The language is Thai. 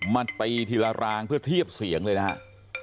มาตีทีละรางเพื่อเทียบเสียงเลยนะครับ